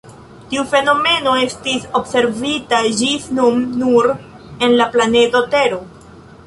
Tiu fenomeno estis observita ĝis nun nur en la planedo Tero.